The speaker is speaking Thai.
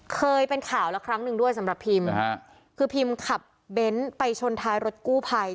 เคยเป็นข่าวแล้วครั้งหนึ่งด้วยสำหรับพิมคือพิมขับเบนท์ไปชนท้ายรถกู้ภัย